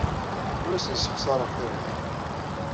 Ur asen-ssexṣareɣ tiɣemmar.